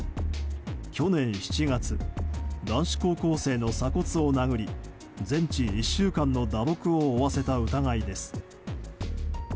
去年７月、男子高校生の鎖骨を殴り全治１週間の打撲を負わせた疑いです。